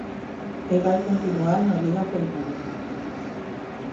E vai continuar na Liga polo momento.